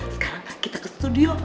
sekarang kita ke studio